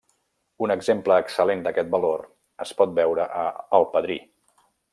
Un exemple excel·lent d'aquest valor es pot veure a El padrí.